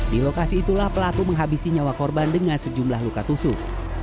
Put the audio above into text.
di lokasi itulah pelaku menghabisi nyawa korban dengan sejumlah luka tusuk